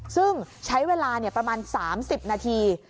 ซึ่งใช้เวลาเนี่ยประมาณ๓๐นาธี